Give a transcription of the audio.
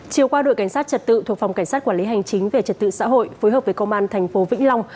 chiều qua đội cảnh sát trật tự thuộc phòng cảnh sát quản lý hành chính về trật tự xã hội phối hợp với công an thành phố vĩnh long